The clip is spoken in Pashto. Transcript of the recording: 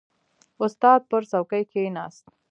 • استاد پر څوکۍ کښېناست.